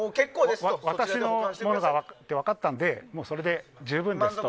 私のものだって分かったのでそれで十分ですと。